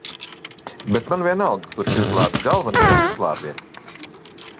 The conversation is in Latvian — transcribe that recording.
Bet man vienalga, kurš izglābj, galvenais izglābiet.